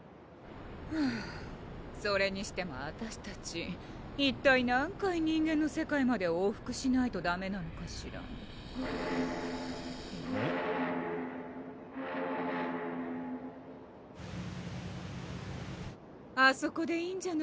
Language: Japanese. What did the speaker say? はぁそれにしてもあたしたち一体何回人間の世界まで往復しないとダメなのかしら・・あそこでいいんじゃない？